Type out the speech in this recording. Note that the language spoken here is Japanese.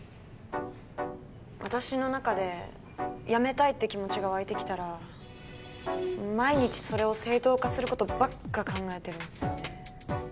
私の中で辞めたいって気持ちが湧いてきたら毎日それを正当化する事ばっか考えてるんですよね。